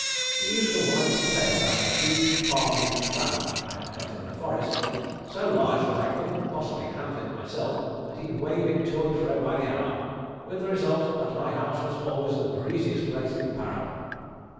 He used to wind his tail about a huge palm leaf fan I had cut in the forest, so large that I couldn't possibly handle it myself, and he'd wave it to and fro by the hour, with the result that my house was always the breeziest place in Para."